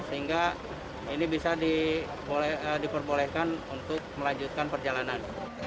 sehingga ini bisa diperbolehkan untuk melanjutkan perjalanan